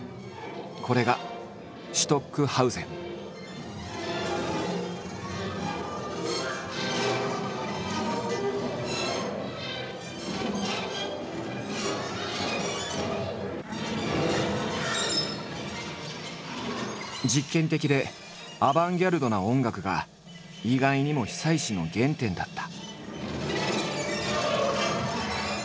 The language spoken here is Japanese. これが実験的でアバンギャルドな音楽が意外にも久石の原点だった。